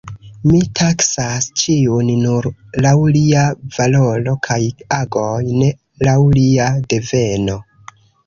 Mi taksas ĉiun nur laŭ lia valoro kaj agoj, ne laŭ lia deveno.